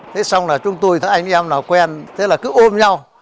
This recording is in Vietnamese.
thế xong là chúng tôi thấy anh em nào quen thế là cứ ôm nhau